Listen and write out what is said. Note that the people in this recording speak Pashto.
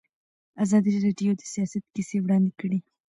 ازادي راډیو د سیاست کیسې وړاندې کړي.